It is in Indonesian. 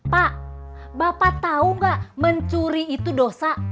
pak bapak tau gak mencuri itu dosa